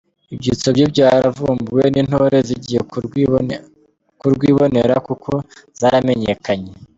Ibyitso bye byaravumbuwe n’intore zigiye kurwibonera kuko zaramenyekanye.